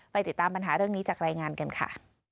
ติดตามปัญหาเรื่องนี้จากรายงานกันค่ะ